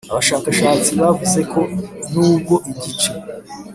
Abashakashati bavuze ko nubwo igice